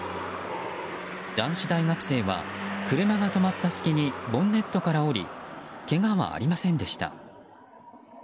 男子大学生は車が止まった隙にボンネットから降りけがはありませんでした。